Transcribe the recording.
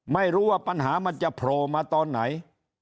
ไม่รู้ว่าปัญหามันจะโผล่มาตอนไหน